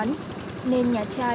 nên nhà trẻ không có thể tìm ra tên gọi